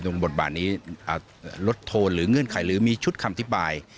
บทบาทนี้ลดโทนหรือเงื่อนไขหรือมีชุดคำอธิบาย